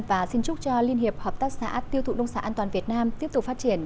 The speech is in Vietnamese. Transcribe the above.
và xin chúc cho liên hiệp hợp tác xã tiêu thụ nông sản an toàn việt nam tiếp tục phát triển